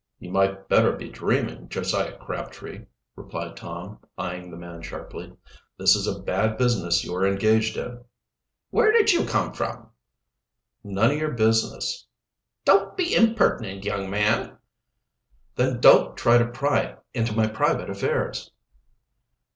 "You might better be dreaming, Josiah Crabtree," replied Tom, eying the man sharply. "This is a bad business you are engaged in." "Where did you come from?" "None of your business." "Don't be impertinent, young man." "Then don't try to pry into my private affairs."